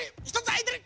あいてる！